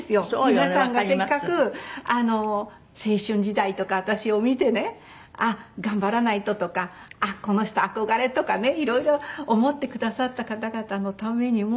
皆さんがせっかく青春時代とか私を見てね「あっ頑張らないと」とか「あっこの人憧れ」とかね色々思ってくださった方々のためにもなんか。